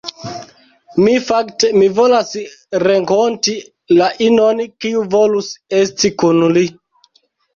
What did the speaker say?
Mi, fakte, Mi volas renkonti la inon kiu volus esti kun li